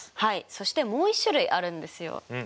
そしてもう一種類あるんですよ。